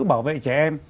bảo vệ trẻ em